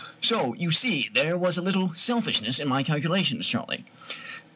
So you see there was a little selfishness in my calculations, Charley."